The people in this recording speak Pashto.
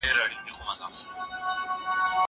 هغه څوک چي درسونه اوري پوهه زياتوي!؟